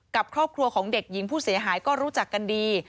ครอบครัวของเด็กหญิงผู้เสียหายก็รู้จักกันดี